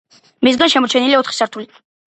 მისგან შემორჩენილია ოთხი სართული.